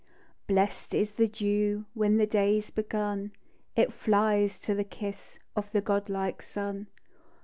Blest is the dew When the day's begun, It Hies to the kiss Of the godlike sun.